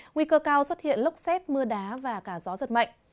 nguy cơ cao xuất hiện lốc xét mưa đá và cả gió giật mạnh